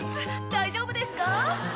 大丈夫ですか？